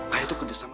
ayah itu kerja sama